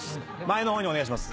前の方にお願いします。